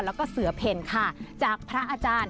แล้วก็เสือเพ่นค่ะจากพระอาจารย์